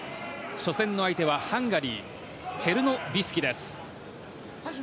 初戦の相手はハンガリーのチェルノビスキです。